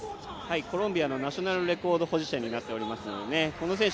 コロンビアのナショナルレコード保持者になってますのでね